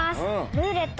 「ルーレット」。